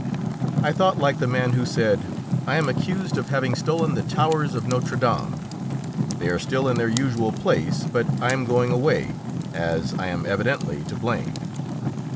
I thought like the man who said, "I am accused of having stolen the towers of Notre Dame; they are still in their usual place, but I am going away, as I am evidently to blame."